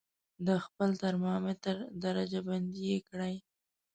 د خپل ترمامتر درجه بندي یې کړئ.